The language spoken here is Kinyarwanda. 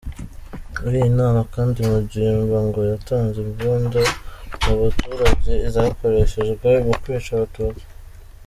Muri iyi nama kandi, Mugimba ngo yatanze imbunda mu baturage zakoreshejwe mu kwica abatutsi.